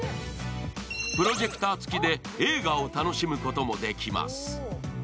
プロジェクター付きで映画を楽しむこともできます。